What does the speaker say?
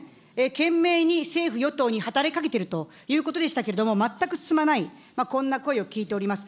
懸命に政府・与党に働きかけているということでしたけれども、全く進まない、こんな声を聞いております。